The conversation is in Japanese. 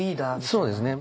そうですね。